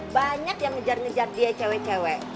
banyak yang ngejar ngejar dia cewek cewek